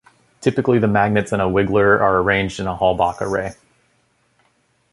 Typically the magnets in a wiggler are arranged in a Halbach array.